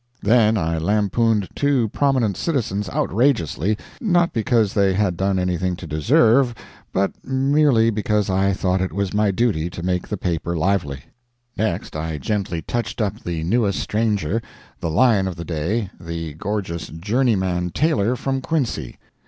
Then I lampooned two prominent citizens outrageously not because they had done anything to deserve, but merely because I thought it was my duty to make the paper lively. Next I gently touched up the newest stranger the lion of the day, the gorgeous journeyman tailor from Quincy.